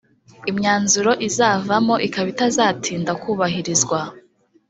imyanzuro izavamo ikaba itazatinda kubahirizwa